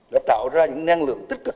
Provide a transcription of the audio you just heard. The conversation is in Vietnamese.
đã tạo ra những năng lượng tích cực